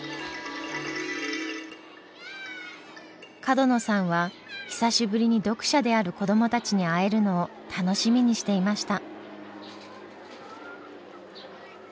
角野さんは久しぶりに読者である子どもたちに会えるのを楽しみにしていました。